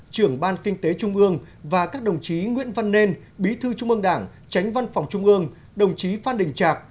trưởng ban kinh tế trung ương và các đồng chí nguyễn văn nên bí thư trung ương đảng tránh văn phòng trung ương đồng chí phan đình trạc